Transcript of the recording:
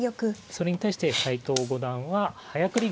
それに対して斎藤五段は早繰り